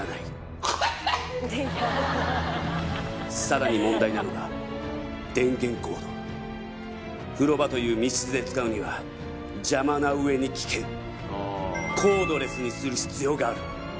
さらに問題なのが電源コード風呂場という密室で使うには邪魔な上に危険コードレスにする必要がある